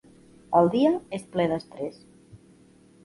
El dia és ple d'estrès.